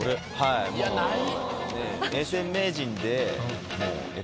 いやない。